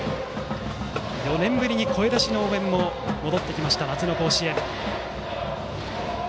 ４年ぶりに声出し応援も戻ってきた夏の甲子園。